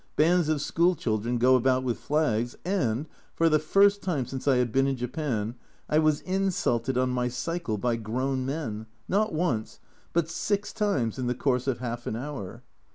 Bands of school children go about with flags, and for the first time since I have been in Japan I was insulted on my cycle by grown men, not once, but six times in the course of half an hour!